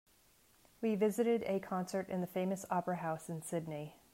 We visited a concert in the famous opera house in Sydney.